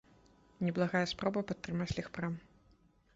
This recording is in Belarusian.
Неблагая спроба падтрымаць легпрам.